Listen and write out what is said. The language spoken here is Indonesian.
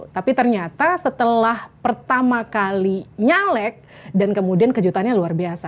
tapi ternyata setelah pertama kali nyalek dan kemudian kejutannya luar biasa